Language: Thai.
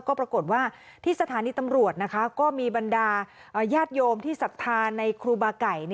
ก็ปรากฏว่าที่สถานีตำรวจนะคะก็มีบรรดาญาติโยมที่ศรัทธาในครูบาไก่